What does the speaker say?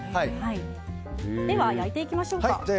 では焼いていきましょうか。